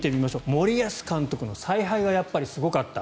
森保監督の采配がすごかった。